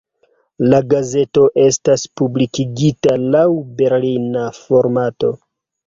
La gazeto estas publikigita laŭ berlina formato.